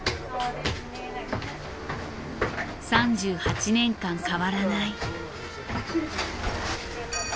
３８年間変わらない。